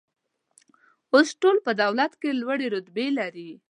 اوس ټول په دولت کې لوړې رتبې لري.